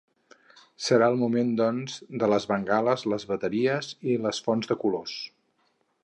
Serà el moment, doncs, de les bengales, les bateries i les fonts de colors.